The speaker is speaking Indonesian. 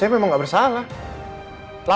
enggak enggak enggak